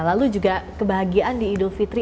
lalu juga kebahagiaan di idul fitri